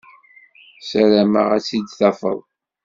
Sarameɣ ad tt-id-tafeḍ.